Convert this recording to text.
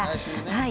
はい。